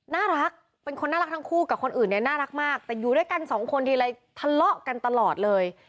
น่ารักเป็นคนน่ารักทั้งคู่กับคนอื่นเนี่ยน่ารักมากแต่อยู่ด้วยกันสองคนทีไรทะเลาะกันตลอดเลย